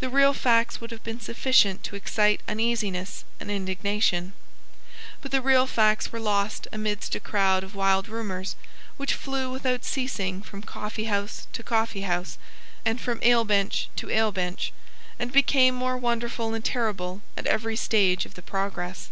The real facts would have been sufficient to excite uneasiness and indignation: but the real facts were lost amidst a crowd of wild rumours which flew without ceasing from coffeehouse to coffeehouse and from alebench to alebench, and became more wonderful and terrible at every stage of the progress.